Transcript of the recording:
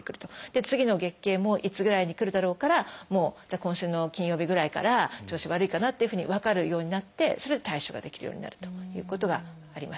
で次の月経もいつぐらいにくるだろうからもう今週の金曜日ぐらいから調子悪いかなっていうふうに分かるようになってそれで対処ができるようになるということがあります。